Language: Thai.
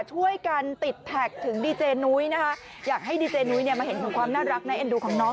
ช่วยกันติดแท็กถึงดีเจนุ้ยนะคะอยากให้ดีเจนุ้ยเนี่ยมาเห็นของความน่ารักน่าเอ็นดูของน้อง